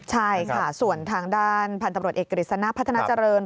ใช่ค่ะส่วนทางด้านพันธุ์ตำรวจเอกกฤษณะพัฒนาเจริญ